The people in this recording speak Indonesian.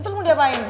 itu semua diapain